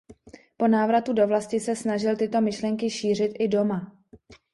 Po návratu do vlasti se snažil tyto myšlenky šířit i doma.